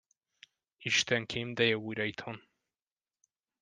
Istenkém, de jó újra itthon.